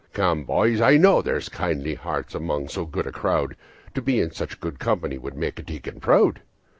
"Come, boys, I know there's kindly hearts among so good a crowd To be in such good company would make a deacon proud.